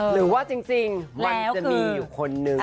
หรือว่าจริงมันจะมีอยู่คนนึง